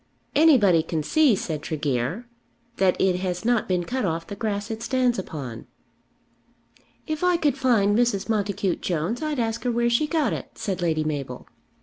"Anybody can see," said Tregear, "that it has not been cut off the grass it stands upon." "If I could find Mrs. Montacute Jones I'd ask her where she got it," said Lady Mabel.